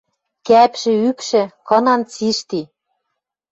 Кӓпшӹ, ӱпшӹ — кынан цишти